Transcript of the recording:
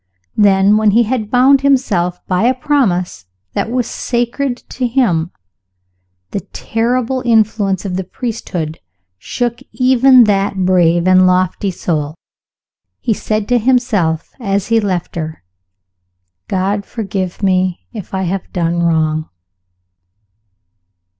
Then, when he had bound himself by a promise that was sacred to him, the terrible influence of the priesthood shook even that brave and lofty soul. He said to himself, as he left her, "God forgive me if I have done wrong!"